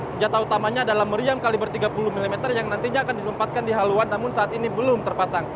senjata utamanya adalah meriam kaliber tiga puluh mm yang nantinya akan dilompatkan di haluan namun saat ini belum terpasang